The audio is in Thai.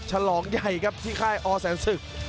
ฉลองใหญ่ครับที่ค่ายอแสนศึก